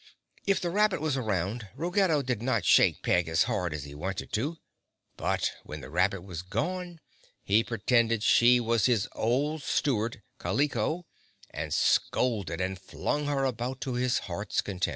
If the rabbit was around, Ruggedo did not shake Peg as hard as he wanted to, but when the rabbit was gone, he pretended she was his old steward, Kaliko, and scolded and flung her about to his heart's content.